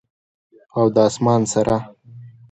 او د اسمان سره،